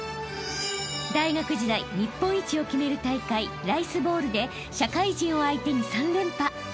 ［大学時代日本一を決める大会ライスボウルで社会人を相手に３連覇］